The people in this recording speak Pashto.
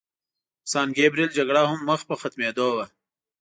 د سان ګبریل جګړه هم مخ په ختمېدو وه.